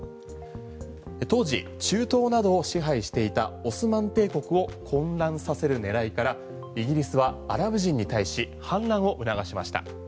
当時中東などを支配していたオスマン帝国を混乱させる狙いからイギリスはアラブ人に対し反乱を促しました。